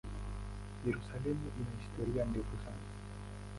Yerusalemu ina historia ndefu sana.